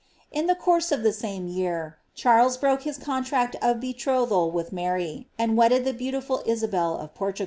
In the course of the same year, Charles broke his contract of betrothal with Mary, and wedded the beautiful Isabel of Portugal.